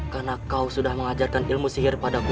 karena kau sudah mengajarkan ilmu sihir padaku